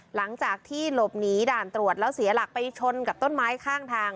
หลังจากที่หลบหนีด่านตรวจแล้วเสียหลักไปชนกับต้นไม้ข้างทาง